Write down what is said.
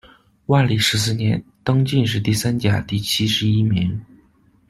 万历十四年，登进士第三甲第七十一名。